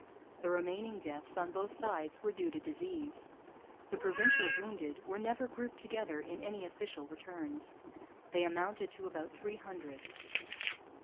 The remaining deaths, on both sides, were due to disease. The Provincial wounded were never grouped together in any official returns. They amounted to about three hundred.